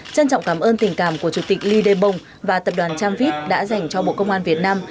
trân trọng cảm ơn tình cảm của chủ tịch ly đê bồng và tập đoàn tramvit đã dành cho bộ công an việt nam